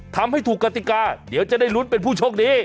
ทำให้ถูกกติกาเดี๋ยวจะได้ลุ้นเป็นผู้โชคดี